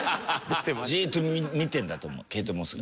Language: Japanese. ジーッと見てるんだと思うケイト・モスが。